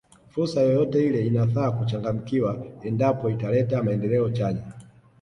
Fursa yoyote ile inafaa kuchangamkiwa endapo italeta maendeleo chanya